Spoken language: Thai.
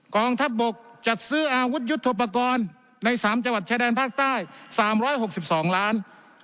กองทัพบกจัดซื้ออาวุธยุทธภกรในสามจัวร์ชะแดนภาคใต้๓๖๒ล้าน